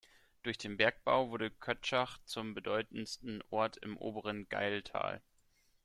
Durch den Bergbau wurde Kötschach zum bedeutendsten Ort im oberen Gailtal.